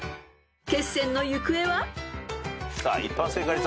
［決戦の行方は？］